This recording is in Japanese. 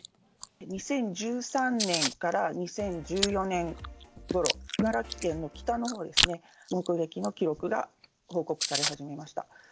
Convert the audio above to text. ２０１３年から２０１４年ごろ、茨城県の北のほうですね、目撃の記録が報告され始めました。